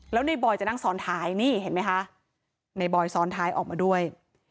แล้วในบอยจะนั่งซ้อนท้ายนี่เห็นไหมคะในบอยซ้อนท้ายออกมาด้วย